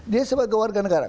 dia sebagai warga negara